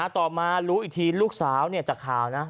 ต่อมารู้อีกทีลูกสาวเนี่ยจะข่าวนะ